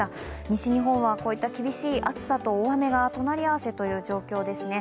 西日本はこういった厳しい暑さと大雨が隣り合わせという状況ですね。